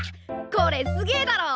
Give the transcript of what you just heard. これすげえだろ。